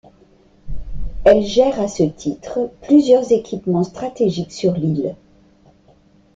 Elle gère à ce titre plusieurs équipements stratégiques sur l'île.